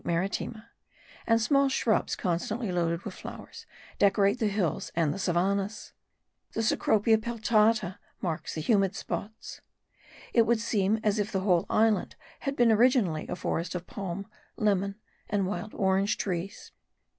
maritima), and small shrubs constantly loaded with flowers, decorate the hills and the savannahs. The Cecropia peltata marks the humid spots. It would seem as if the whole island had been originally a forest of palm, lemon, and wild orange trees.